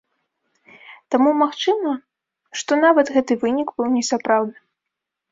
Таму магчыма, што нават гэты вынік быў несапраўдным.